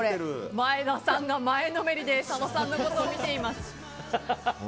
前田さんが前のめりで佐野さんのことを見ています。